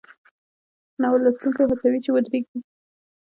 ناول لوستونکی هڅوي چې ودریږي.